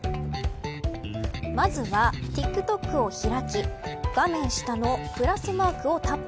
まずはＴｉｋＴｏｋを開き画面下のプラスマークをタップ。